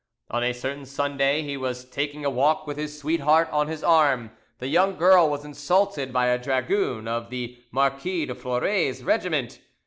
On a certain Sunday, as he was taking a walk with his sweetheart on his arm, the young girl was insulted by a dragoon of the Marquis de Florae's regiment.